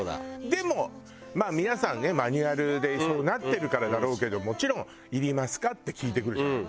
でもまあ皆さんねマニュアルでそうなってるからだろうけどもちろん「いりますか？」って聞いてくるじゃない。